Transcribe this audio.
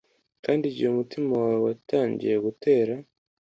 Kandi igihe umutima wawe watangiye gutera